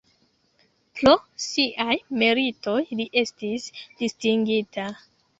Pro siaj meritoj li estis distingita.